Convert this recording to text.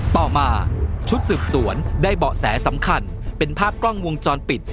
ต่อมาชุดสืบสวนได้เบาะแสสำคัญเป็นภาพกล้องวงจรปิด